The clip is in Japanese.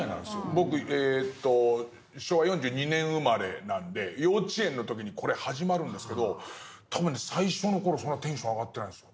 僕昭和４２年生まれなんで幼稚園の時にこれ始まるんですけど多分ね最初の頃そんなテンション上がってないですよ。